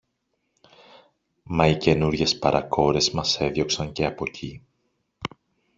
Μα οι καινούριες παρακόρες μας έδιωξαν και από κει